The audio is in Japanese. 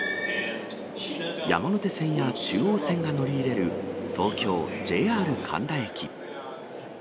山手線や中央線が乗り入れる、東京・ＪＲ神田駅。